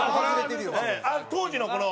当時のこの。